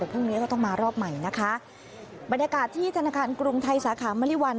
พรุ่งนี้ก็ต้องมารอบใหม่นะคะบรรยากาศที่ธนาคารกรุงไทยสาขามริวัล